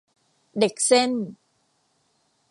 เด็กเส้น